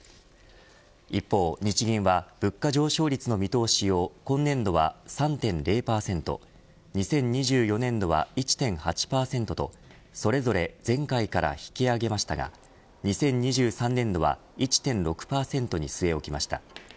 一方、日銀は物価上昇率の見通しを今年度は３．０％２０２４年度は１．８％とそれぞれ前回から引き上げましたが２０２３年度は１．６％に据え置きました。